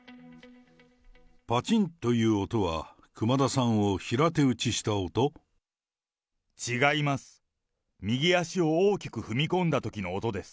ぱちんという音は熊田さんを平手打ちした音？違います。